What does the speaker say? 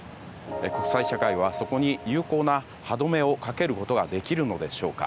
国際社会は、そこに有効な歯止めをかけることができるのでしょうか。